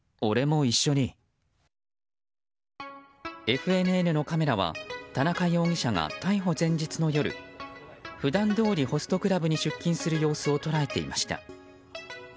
ＦＮＮのカメラは田中容疑者が逮捕前日の夜普段どおりホストクラブに出勤する様子を捉えていました。